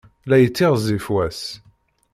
La yettiɣzif wass.